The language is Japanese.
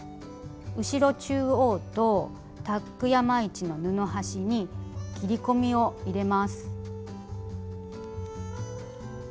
後ろ中央とタック山位置の布端に切り込みを入れます。